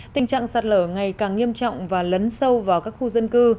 tình trạng sạt lở ngày càng nghiêm trọng và lấn sâu vào các khu dân cư